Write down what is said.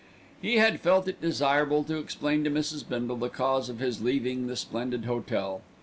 He had felt it desirable to explain to Mrs. Bindle the cause of his leaving the Splendid Hotel.